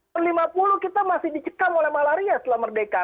pada seribu sembilan ratus lima puluh kita masih dicekam oleh malaria setelah merdeka